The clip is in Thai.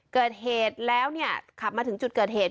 เกิดเหตุแล้วเนี่ยขับมาถึงจุดเกิดเหตุ